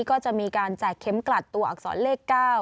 ก็จะมีการแจกเข็มกลัดตัวอักษรเลข๙